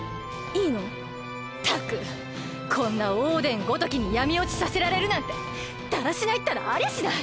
ったくこんなオーデンごときにやみおちさせられるなんてだらしないったらありゃしない！